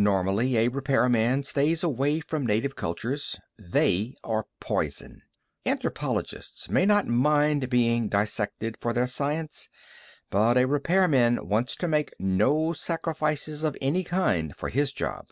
Normally, a repairman stays away from native cultures. They are poison. Anthropologists may not mind being dissected for their science, but a repairman wants to make no sacrifices of any kind for his job.